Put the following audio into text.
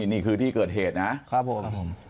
นี่คือที่เกิดเหตุนะครับผม